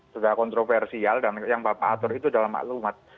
sudah kontroversial dan yang bapak atur itu dalam maklumat